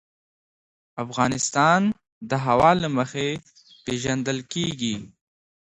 افغانستان د هوا له مخې پېژندل کېږي.